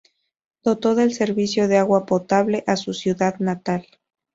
Dotó del servicio de agua potable a su ciudad natal.